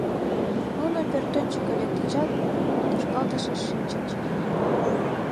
Нуно пӧртӧнчыкӧ лектычат, тошкалтышыш шинчыч.